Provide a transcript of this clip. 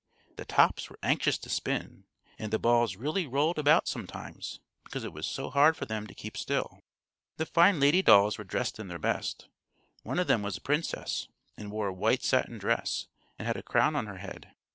The tops were anxious to spin, and the balls really rolled about sometimes, because it was so hard for them to keep still. The fine lady dolls were dressed in their best. One of them was a princess, and wore a white satin dress, and had a crown on her head.